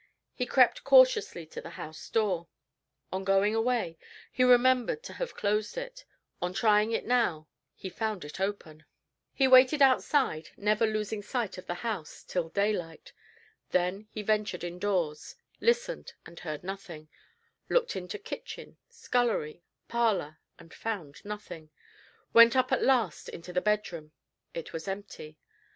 He crept cautiously to the house door. On going away, he remembered to have closed it; on trying it now, he found it open. He waited outside, never losing sight of the house, till daylight. Then he ventured indoors listened, and heard nothing looked into kitchen, scullery, parlor and found nothing; went up at last into the bedroom it was empty.